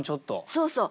そうそう。